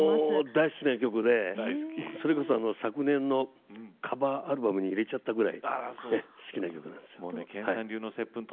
大好きな曲で昨年のカバーアルバムに入れちゃったくらい好きな曲です。